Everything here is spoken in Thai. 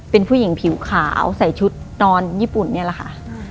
เป็นผู้หญิงผิวขาวใส่ชุดนอนญี่ปุ่นนี่แหละค่ะ